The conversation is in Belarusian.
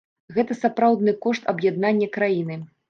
Гэта сапраўдны кошт аб'яднання краіны.